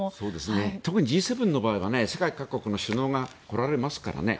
特にＧ７の場合は世界各国の首脳が来られますからね。